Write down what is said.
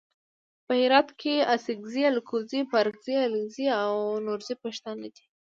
په هرات کې اڅګزي الکوزي بارګزي علیزي او نورزي پښتانه دي.